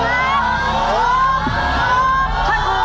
ถูกนิดน้อยนะยาย